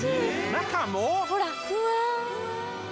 中も！？